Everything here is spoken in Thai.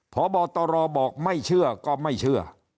พบตรบอกไม่เชื่อก็ไม่เชื่อ